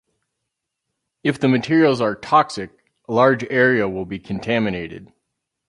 If the materials are toxic, a large area will be contaminated.